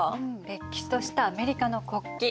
れっきとしたアメリカの国旗。